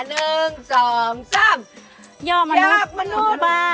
หนึ่งสองซ้ำยาดมนุษย์ป้า